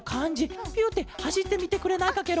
ピュッてはしってみてくれないかケロ？